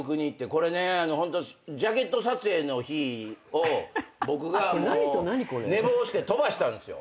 これねジャケット撮影の日僕が寝坊して飛ばしたんですよ。